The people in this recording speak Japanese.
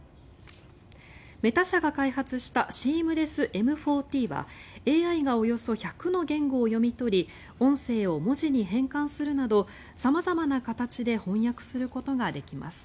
メタ社が開発したＳｅａｍｌｅｓｓＭ４ＴはＡＩがおよそ１００の言語を読み取り音声を文字に変換するなど様々な形で翻訳することができます。